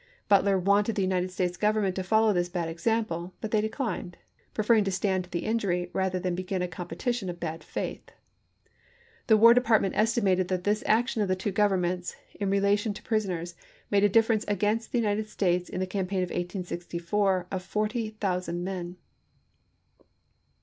Butler wanted the United States Government to follow this bad example, but they declined, preferring to stand the injury rather than begin a competition of bad faith. The War Department estimated that this action of the two Governments, in relation to pris oners, made a difference against the United States, in the campaign of 1864, of forty thousand men.